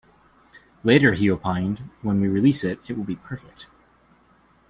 Later he opined, when we release it, it will be perfect.